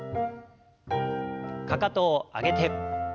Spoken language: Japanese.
かかとを上げて。